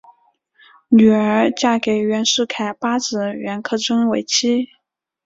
女儿嫁给袁世凯八子袁克轸为妻。